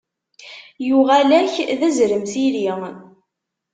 Yuɣal-ak, d azrem s iri.